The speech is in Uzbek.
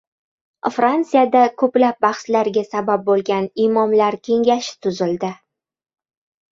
Fransiyada ko‘plab bahslarga sabab bo‘lgan "Imomlar kengashi" tuzildi